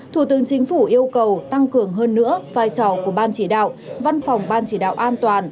thủ tướng chính phủ yêu cầu tăng cường hơn nữa vai trò của ban chỉ đạo văn phòng ban chỉ đạo an toàn